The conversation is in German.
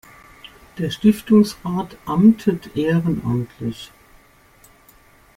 Der Stiftungsrat amtet ehrenamtlich.